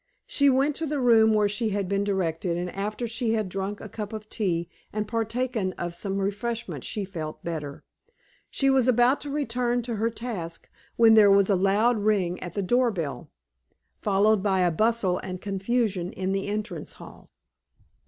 She went to the room where she had been directed, and after she had drunk a cup of tea and partaken of some refreshment she felt better. She was about to return to her task, when there was a loud ring at the door bell, followed by a bustle and confusion in the entrance hall.